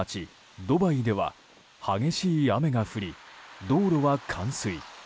ドバイでは激しい雨が降り、道路は冠水。